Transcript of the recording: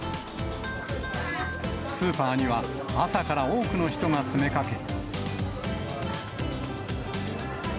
スーパーには朝から多くの人が詰めかけ。